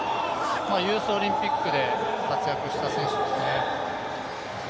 ユースオリンピックで活躍した選手ですね。